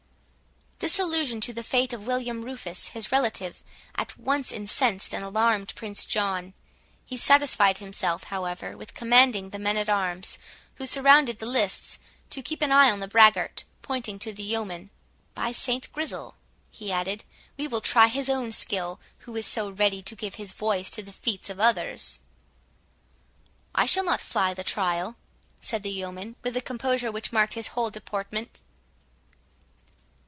This allusion to the fate of William Rufus, his Relative, at once incensed and alarmed Prince John. He satisfied himself, however, with commanding the men at arms, who surrounded the lists, to keep an eye on the braggart, pointing to the yeoman. "By St Grizzel," he added, "we will try his own skill, who is so ready to give his voice to the feats of others!" "I shall not fly the trial," said the yeoman, with the composure which marked his whole deportment.